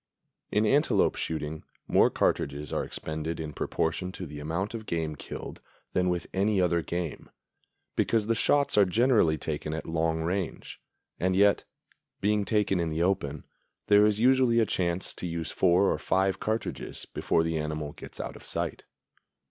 In antelope shooting more cartridges are expended in proportion to the amount of game killed than with any other game, because the shots are generally taken at long range; and yet, being taken in the open, there is usually a chance to use four or five cartridges before the animal gets out of sight.